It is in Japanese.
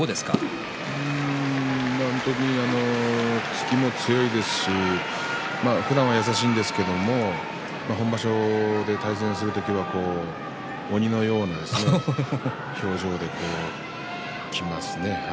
相撲も強いですしふだんは優しいんですけども本場所で対戦する時は鬼のような表情できますね。